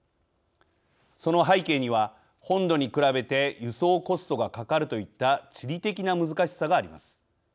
その背景には本土に比べて輸送コストがかかるといった地理的な難しさがあります。